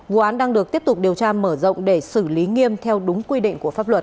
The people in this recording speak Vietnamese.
vụ án đang được tiếp tục điều tra mở rộng để xử lý nghiêm theo đúng quy định của pháp luật